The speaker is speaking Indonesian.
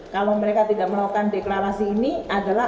kalau mereka tidak melakukan deklarasi ini adalah